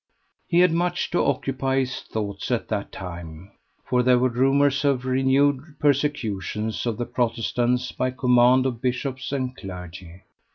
He had much to occupy his thoughts at that time, for there were rumours of renewed persecutions of the Protestants by command of bishops and clergy.